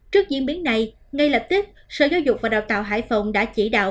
trước diễn biến này ngay lập tức sở giáo dục và đào tạo hải phòng đã chỉ đạo